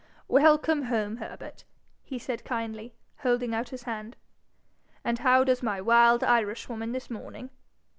'Welcome home, Herbert!' he said, kindly, holding out his hand. 'And how does my wild Irishwoman this morning?